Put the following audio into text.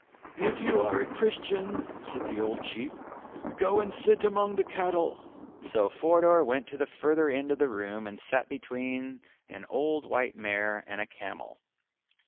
"If you are a Christian," exclaimed the old Chief, "go and sit among the cattle!" So Forder went to the further end of the room and sat between an old white mare and a camel.